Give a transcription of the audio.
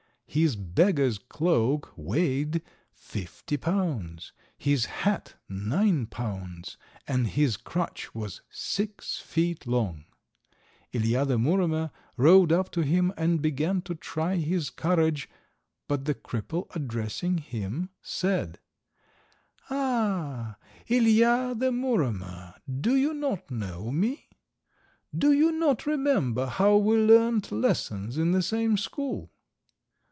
His beggar's cloak weighed fifty pounds, his hat nine pounds, and his crutch was six feet long. Ilija, the Muromer, rode up to him and began to try his courage, but the cripple addressing him said— "Ah! Ilija, the Muromer, do you not know me? Do you not remember how we learnt lessons in the same school?